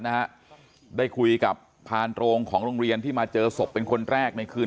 นะฮะได้คุยกับพานโรงของโรงเรียนที่มาเจอศพเป็นคนแรกในคืน